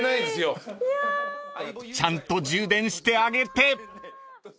［ちゃんと充電してあげて］